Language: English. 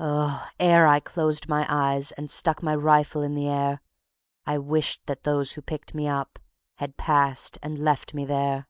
Oh, ere I closed my eyes and stuck my rifle in the air I wish that those who picked me up had passed and left me there.